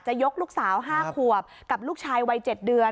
ยกลูกสาว๕ขวบกับลูกชายวัย๗เดือน